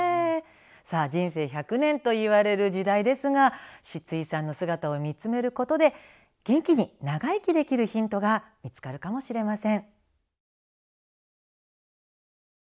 さあ人生１００年といわれる時代ですがシツイさんの姿を見つめることで元気に長生きできるヒントが見つかるかもしれません。